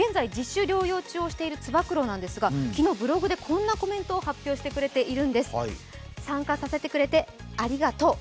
現在、自主療養中のつば九郎なんですが昨日、ブログでこんなコメントを発表しているんです。